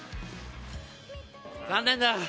残念だ。